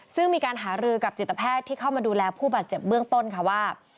ซึ่งมีการหารือกับจิตแพทย์ที่เข้ามาดูแลผู้บาดเจ็บเบื้องต้นค่ะว่า